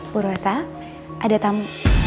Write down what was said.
buruasa ada tamu